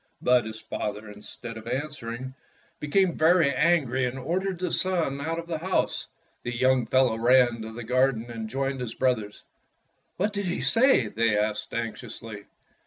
But his father, instead of answering, be 36 Fairy Tale Foxes came very angry and ordered the son out of the house. The young fellow ran to the gar den and joined his brothers. "What did he say.^^" they asked anx iously.